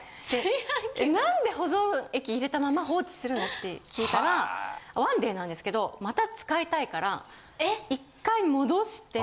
・何で保存液入れたまま放置するの？って聞いたらワンデーなんですけどまた使いたいから１回戻して。